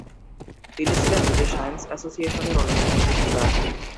তিনি ছিলেন British science এসোসিয়েশনের অন্যতম প্রতিষ্ঠাতা।